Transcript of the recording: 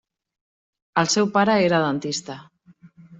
El seu pare era dentista.